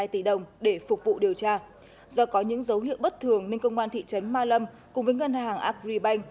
một mươi tỷ đồng để phục vụ điều tra do có những dấu hiệu bất thường nên công an thị trấn ma lâm cùng với ngân hàng agribank